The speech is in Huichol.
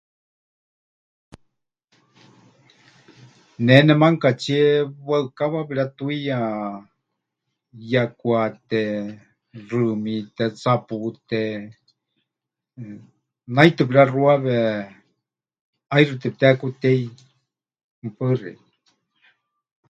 Ne nemanúkatsie waɨkawa pɨretuiya, yekwaáte, xɨmiíte, tsapuúte, eh, naitɨ pɨrexuawe, ʼaixɨ tepɨtehekutei. Mɨpaɨ xeikɨ́a.